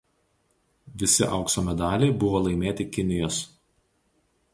Visi aukso medaliai buvo laimėti Kinijos.